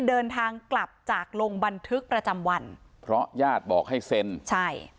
เดินทางกลับจากลงบันทึกประจำวันเพราะญาติบอกให้เซ็นใช่